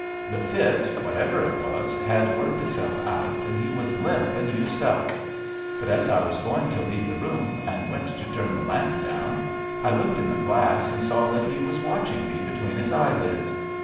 The fit, whatever it was, had worked itself out, and he was limp and used up. But as I was going to leave the room, and went to turn the lamp down, I looked in the glass and saw that he was watching me between his eyelids.